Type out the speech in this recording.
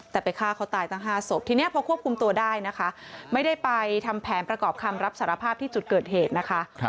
แต่ไปฆ่าเขาตายตั้ง๕ศพทีนี้พอควบคุมตัวได้นะคะไม่ได้ไปทำแผนประกอบคำรับสารภาพที่จุดเกิดเหตุนะคะ